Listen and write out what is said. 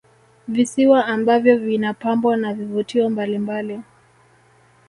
Visiwa ambavyo vinapambwa na vivutio mbalimbali